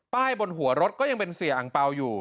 บนหัวรถก็ยังเป็นเสียอังเปล่าอยู่